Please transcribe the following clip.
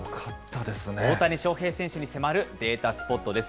大谷翔平選手に迫るデータスポットです。